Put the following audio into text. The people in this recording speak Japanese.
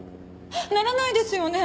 ならないですよね！？